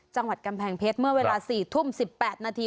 จังหวัดกำแพงเพชรเมื่อเวลา๔ทุ่ม๑๘นาที